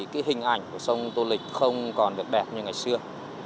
cái hình ảnh của sông tô lịch không còn được đẹp như ngày xưa